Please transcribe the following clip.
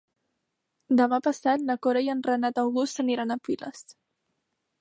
Demà passat na Cora i en Renat August aniran a Piles.